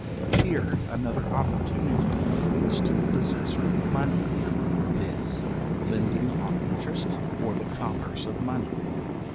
Here another opportunity opens to the possessor of money, viz, lending on interest, or the commerce of money.